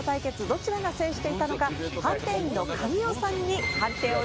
どちらが制していたのか判定員の神尾さんに判定をしていただきます。